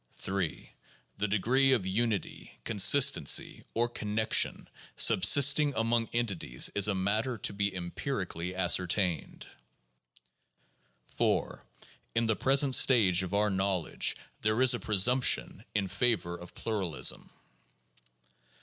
3. The degree of unity, consistency, or connection subsisting among entities is a matter to be empirically ascertained. 4. In the present stage of our knowledge there is a presumption in favor of pluralism.